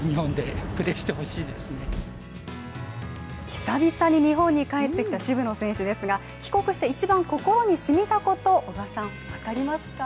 久々に日本に帰ってきた渋野選手ですが、帰国して一番心にしみたことわかりますか。